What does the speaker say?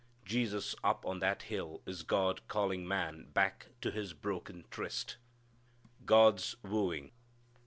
Jesus up on that hill is God calling man back to his broken tryst. God's Wooing.